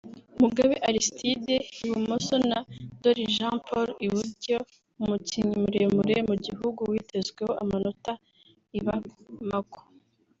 Mugabe Arstide (ibumoso) na Ndoli Jean Paul (iburyo) umukinnyi muremure mu gihugu witezweho amanota i Bamako